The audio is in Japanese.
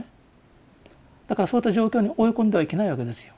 だからそういった状況に追い込んではいけないわけですよ。